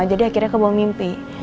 jadi akhirnya kebawa mimpi